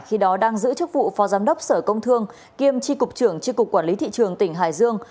khi đó đang giữ chức vụ phó giám đốc sở công thương kiêm tri cục trưởng tri cục quản lý thị trường tỉnh hải dương